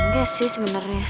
gak sih sebenernya